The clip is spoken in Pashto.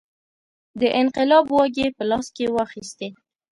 د انقلاب واګې په لاس کې واخیستې.